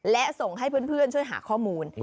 และส่งให้เพื่อนช่วยหาข้อมูล